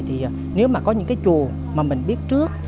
thì nếu mà có những cái chùa mà mình biết trước